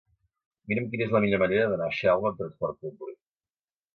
Mira'm quina és la millor manera d'anar a Xelva amb transport públic.